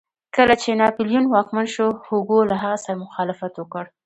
کله چې ناپلیون واکمن شو هوګو له هغه سره مخالفت وکړ.